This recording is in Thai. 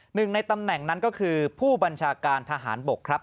หนึ่งในตำแหน่งนั้นก็คือผู้บัญชาการทหารบกครับ